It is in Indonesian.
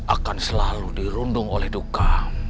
akan selalu dirundung oleh duka